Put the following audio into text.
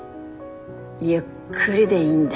ゆっくりでいいんだ。